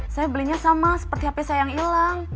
saya belinya sama seperti hp saya yang hilang